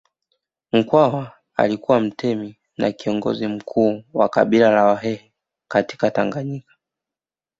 Mkwawa alikuwa mtemi na kiongozi mkuu wa kabila la Wahehe katika Tanganyika